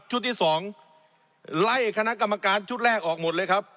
ที่สองไล่คณะกรรมการชุดแรกออกหมดเลยครับ